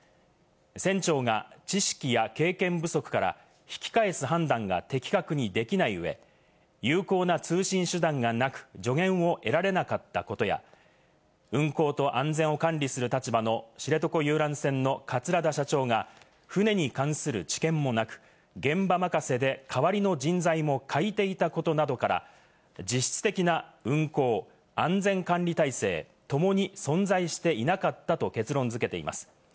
船長が知識や経験不足から引き返す判断が的確にできないうえ、有効な通信手段がなく、助言を得られなかったことや、運航と安全を管理する立場の知床遊覧船の桂田社長が船に関する知見もなく、現場任せで代わりの人材も欠いていたことなどから実質的な運航・安全管理体制ともに存在していなかったと結論づけています。